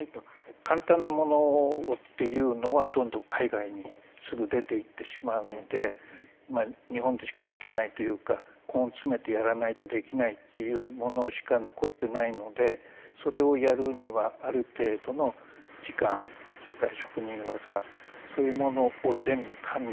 簡単なものっていうのはどんどん海外にすぐ出ていってしまうのでまあ日本でしかできないというか根詰めてやらないとできないっていうものしか残ってないのでそれをやるにはある程度の期間それから職人技そういうものを全部加味した